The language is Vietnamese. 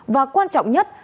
và quan trọng nhất